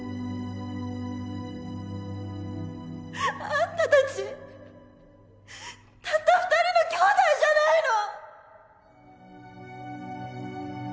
あんた達たった２人の兄弟じゃないの！